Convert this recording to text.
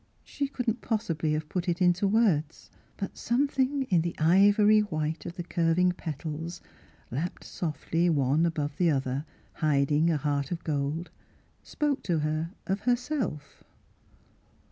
She could not possibly have put it into words ; but some thing in the ivory white of the curving petals, lapped softly one above another, hiding a heart of gold, spoke to her of her self.